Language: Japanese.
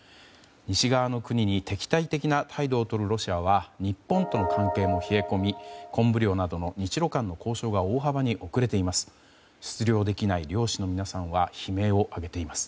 西側の国に敵対的な態度をとるロシアは日本との関係も冷え込み昆布漁などの日露間の交渉が大幅に遅れています。